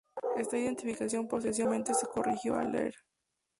Esta identificación posteriormente se corrigió a Lr.